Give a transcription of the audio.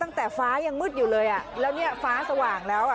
ฟ้ายังมืดอยู่เลยอ่ะแล้วเนี่ยฟ้าสว่างแล้วอ่ะ